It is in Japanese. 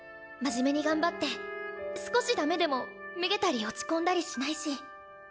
真面目に頑張って少しダメでもめげたり落ち込んだりしないし。